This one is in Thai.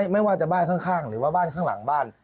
ไม่ว่าจะบ้านข้างหรือว่าบ้านข้างหลังบ้าน